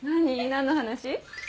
何の話？